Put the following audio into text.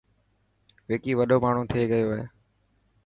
وڪي وڏو ماڻهو ٿي گيو هي.